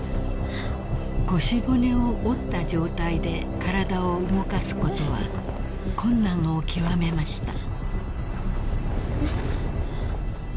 ［腰骨を折った状態で体を動かすことは困難を極めました］